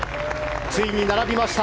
ついに並びました。